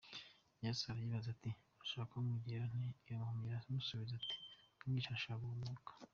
Yesu arayibaza ati "Urashaka ko nkugirira nte?" Iyo mpumyi iramusubiza iti "Mwigisha, ndashaka guhumuka.